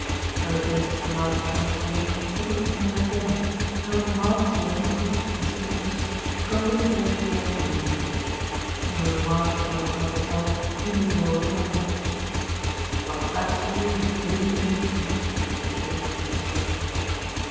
When the princess came out of the countess' room Nicholas met her again, and with marked solemnity and stiffness accompanied her to the anteroom. To her remarks about his mother's health he made no reply. "What's that to you? Leave me in peace," his looks seemed to say.